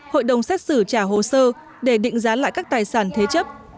hội đồng xét xử trả hồ sơ để định giá lại các tài sản thế chấp